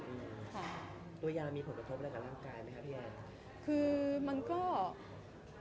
ตัวยามีผลกระทบอะไรกับร่างกายไหมครับพี่แอด